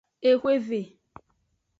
Exweve.